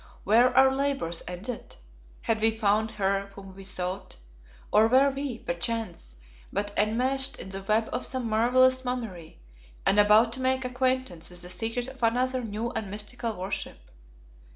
Were our labours ended? Had we found her whom we sought, or were we, perchance, but enmeshed in the web of some marvellous mummery and about to make acquaintance with the secret of another new and mystical worship?